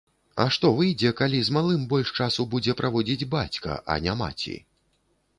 А што выйдзе, калі з малым больш часу будзе праводзіць бацька, а не маці?